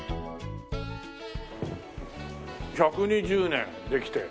１２０年できて。